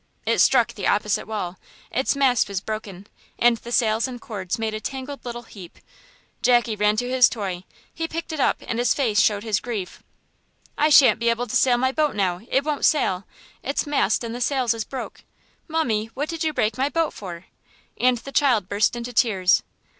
It struck the opposite wall, its mast was broken, and the sails and cords made a tangled little heap. Jackie ran to his toy, he picked it up, and his face showed his grief. "I shan't be able to sail my boat now; it won't sail, its mast and the sails is broke. Mummie, what did you break my boat for?" and the child burst into tears.